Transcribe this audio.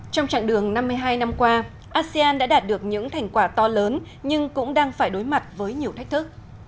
trong trạng đường năm mươi hai năm qua asean đã đạt được những thành quả to lớn nhưng cũng đang phải đối mặt với nhiều thách thức